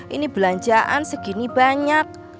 ini belanjaan segini banyak